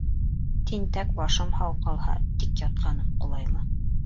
Тинтәк башым һау ҡалһа, тик ятҡаным ҡулайлы.